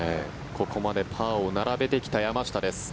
ここまでパーを並べてきた山下です。